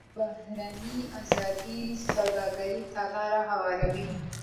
دا سیستم بهرنۍ ازادې سوداګرۍ ته لار هواروي.